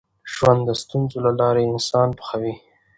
ژوند د ستونزو له لارې انسان پخوي.